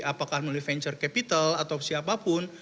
apakah melalui venture capital atau siapapun